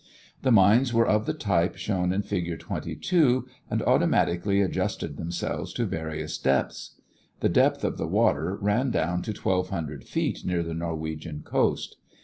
The mines were of the type shown in Fig. 22 and automatically adjusted themselves to various depths. The depth of the water ran down to twelve hundred feet near the Norwegian coast.